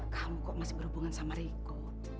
kamu kok masih berhubungan sama riko